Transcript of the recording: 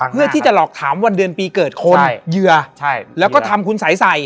เพื่อที่จะหลอกถามวันเดือนปีเกิดคนเหยื่อแล้วก็ทำคุณสัยใส่